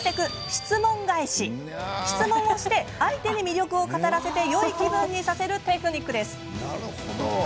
質問をして相手に魅力を語らせることでよい気持ちにさせるテクニックだ。